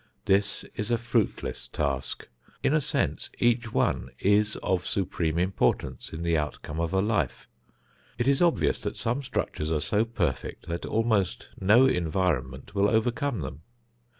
This is a fruitless task. In a sense, each one is of supreme importance in the outcome of a life. It is obvious that some structures are so perfect that almost no environment will overcome them.